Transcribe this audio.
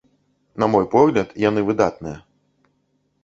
На мой погляд, яны выдатныя.